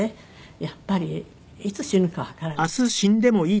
やっぱりいつ死ぬかわからない。